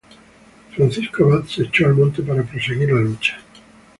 Francisco Abad se echó al monte para proseguir la lucha.